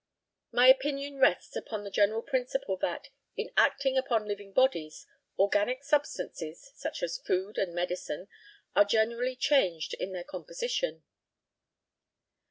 My opinion rests upon the general principle that, in acting upon living bodies, organic substances such as food and medicine are generally changed in their composition.